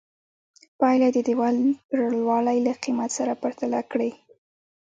پایله یې د دیوال پرېړوالي له قېمت سره پرتله کړئ.